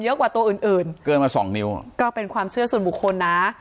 กว่าตัวอื่นอื่นเกินมาสองนิ้วก็เป็นความเชื่อส่วนบุคคลนะ